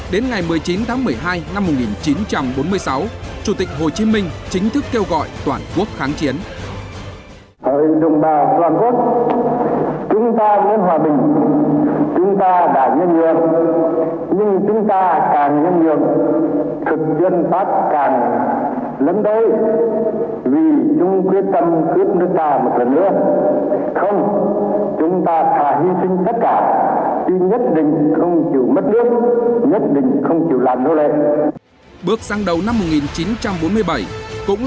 đến ngày một mươi chín tháng một mươi hai năm một nghìn chín trăm bốn mươi sáu chủ tịch hồ chí minh chính thức kêu gọi toàn quốc kháng chiến